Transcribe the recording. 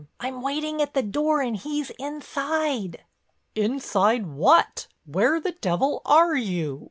I'm waiting at the door and he's inside." "Inside what, where the devil are you?"